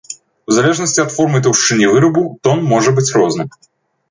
У залежнасці ад формы і таўшчыні вырабу, тон можа быць розным.